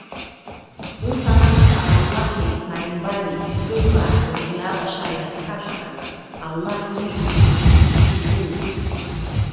Ус анакәха, Аллаҳи, иԥааимбари, ишәзылбааҳгаз уи алашареи азхашәҵа. Аллаҳ ижәуа, иҟашәҵо зегьы идыруеит.